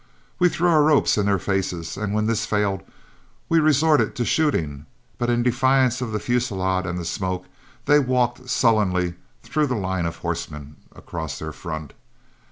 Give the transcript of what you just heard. We threw our ropes in their faces, and when this failed, we resorted to shooting; but in defiance of the fusillade and the smoke they walked sullenly through the line of horsemen across their front.